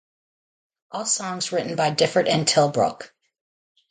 All songs written by Difford and Tilbrook.